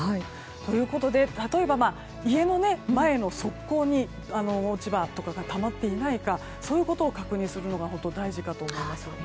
ということで例えば家の前の側溝に落ち葉とかがたまっていないかそういうことを確認するのが大事かと思います。